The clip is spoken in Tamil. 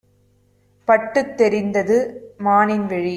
பட்டுத் தெரிந்தது மானின்விழி!